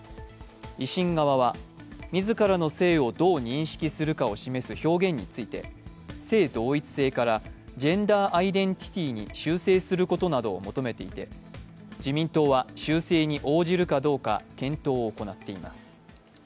維新側は自らの性をどう認識するかを示す表現について性同一性からジェンダー・アイデンティティに修正することなどを求めていて自民党は修正に応じるかどうか検討を行っています。